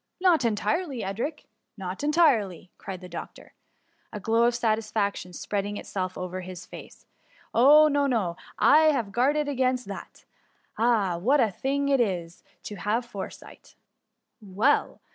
'*" Not entirely, Edric — not entirely ! cried the doctor, a glow of satisfaction spreading it self again over his face; ^^ no, no; I have guarded against that ; ah, what a thing it is to PW^BHWHp THE MUMMY. 249 have foresight ! Well